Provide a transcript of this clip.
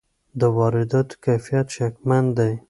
د وارداتو کیفیت شکمن دی.